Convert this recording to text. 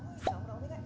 お願い！